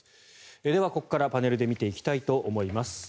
ではここからパネルで見ていきたいと思います。